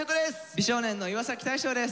美少年の岩大昇です。